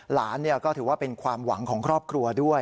หลานก็ถือว่าเป็นความหวังของครอบครัวด้วย